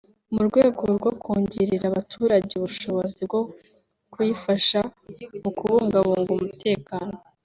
mu rwego rwo kongerera abaturage ubushobozi bwo kuyifasha mu kubungabunga umutekano